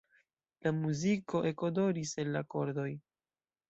La muziko ekodoris el la kordoj.